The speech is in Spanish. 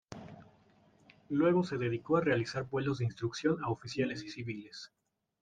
Luego se dedicó a realizar vuelos de instrucción a oficiales y civiles.